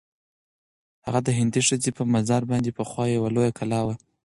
د هغه هندۍ ښځي پر مزار باندي پخوا یوه لویه کلا وه.